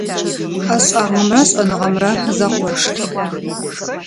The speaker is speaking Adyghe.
Ӏэшӏагъэмрэ шӏэныгъэмрэ зэкъошых.